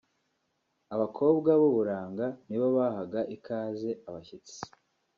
abakobwa b'uburanga ni bo bahaga ikaze abashyitsi